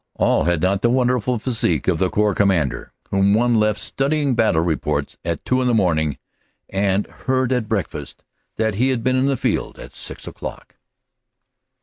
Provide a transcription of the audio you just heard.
All had not the wonderful physique of the Corps Commander whom one left studying battle reports at two in the morning and heard at breakfast that he had been in the field at six o clock.